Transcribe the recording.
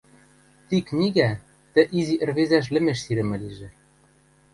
ти книгӓ тӹ изи ӹрвезӓш лӹмеш сирӹмӹ лижӹ